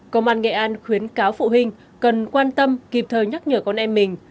công an nghệ an khuyến cáo phụ huynh cần quan tâm kịp thời nhắc nhở con em mình